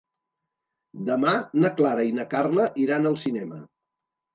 Demà na Clara i na Carla iran al cinema.